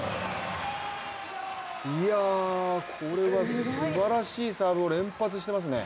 これはすばらしいサーブを連発してますね。